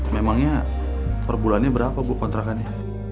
memangnya perbulannya berapa bu kontrakannya